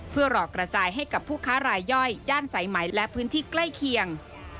เพื่อรอกระจายให้กับผู้ค้ารายย่อยย่านสายไหมและพื้นที่ใกล้เคียง